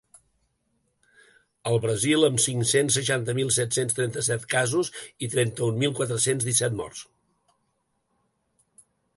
El Brasil, amb cinc-cents seixanta mil set-cents trenta-set casos i trenta-un mil quatre-cents disset morts.